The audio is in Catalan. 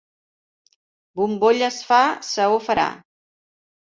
Bombolles fa, saó farà.